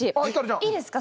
いいですか？